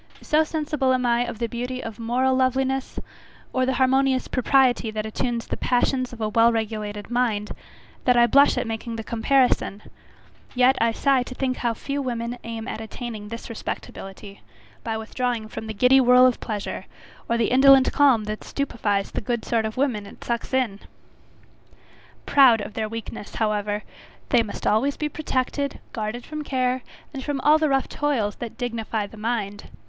so sensible am I of the beauty of moral loveliness, or the harmonious propriety that attunes the passions of a well regulated mind, that I blush at making the comparison; yet I sigh to think how few women aim at attaining this respectability, by withdrawing from the giddy whirl of pleasure, or the indolent calm that stupifies the good sort of women it sucks in. Proud of their weakness, however, they must always be protected, guarded from care, and all the rough toils that dignify the mind.